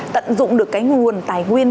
tận dụng được cái nguồn tài nguyên